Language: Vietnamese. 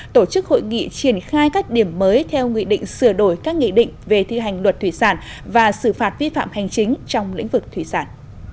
tổ chức hội nghị triển khai các điểm mới theo nghị định sửa đổi các nghị định về thi hành luật thủy sản và xử phạt vi phạm hành chính trong lĩnh vực thủy sản